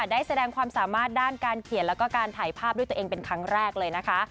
ได้แสดงความสามารถด้านการเขียนแล้วก็การถ่ายภาพด้วยตัวเองเป็นครั้งแรกเลยนะคะ